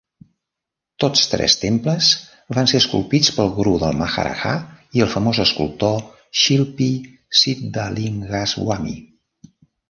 Tots tres temples van ser esculpits pel gurú del maharajà i el famós escultor Shilpi Siddalingaswamy.